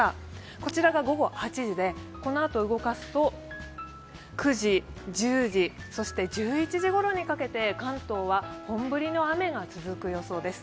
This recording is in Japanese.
こちらが午後８時でこのあと動かすと９時、１０時、そして１１時ごろにかけて関東は本降りの雨が続く予想です。